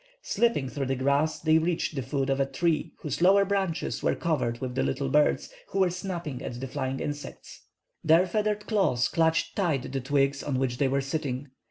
Slipping through the grass, they reached the foot of a tree whose lower branches were covered with the little birds, who were snapping at the flying insects. Their feathered claws clutched tight the twigs on which they were sitting.